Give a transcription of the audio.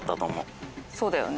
そうだよね？